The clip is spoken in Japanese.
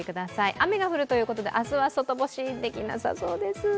雨が降るということで明日は外干し、できなさそうです。